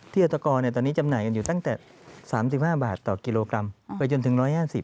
เที่ยวธกรตอนนี้จำหน่ายอยู่ตั้งแต่๓๕บาทต่อกิโลกรัมไปจนถึง๑๕๐